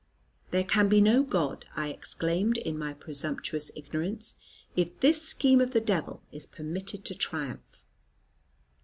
"There can be no God," I exclaimed, in my presumptuous ignorance, "if this scheme of the devil is permitted to triumph."